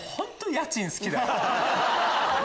家賃好きだよね。